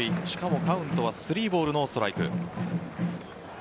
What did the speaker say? しかもカウントはスリーボールノーストライク。